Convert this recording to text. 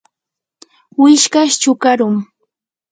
wishkash chukarum.